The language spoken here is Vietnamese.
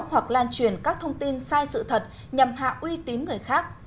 hoặc lan truyền các thông tin sai sự thật nhằm hạ uy tín người khác